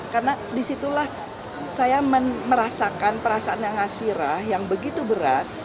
karena disitulah saya merasakan perasaan ngasirah yang begitu berat